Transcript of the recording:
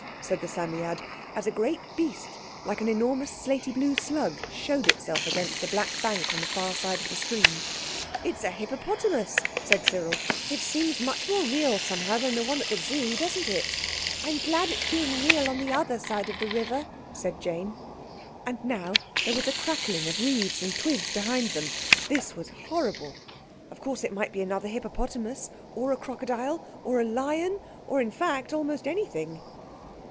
said the Psammead, as a great beast like an enormous slaty blue slug showed itself against the black bank on the far side of the stream. "It's a hippopotamus," said Cyril; "it seems much more real somehow than the one at the Zoo, doesn't it?" "I'm glad it's being real on the other side of the river," said Jane. And now there was a crackling of reeds and twigs behind them. This was horrible. Of course it might be another hippopotamus, or a crocodile, or a lion—or, in fact, almost anything.